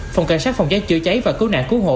phòng cảnh sát phòng cháy chữa cháy và cứu nạn cứu hộ